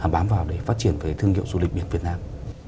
bám vào để phát triển cái thương hiệu du lịch biển việt nam